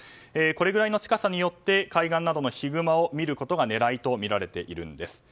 これぐらいの近さによって海岸などのヒグマを見ることが狙いとみられています。